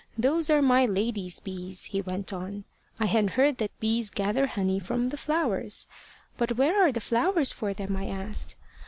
`Those are my lady's bees,' he went on. I had heard that bees gather honey from the flowers. `But where are the flowers for them?' I asked.